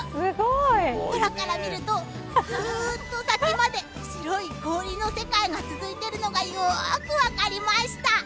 空から見ると、ずっと先まで白い氷の世界が続いているのがよく分かりました。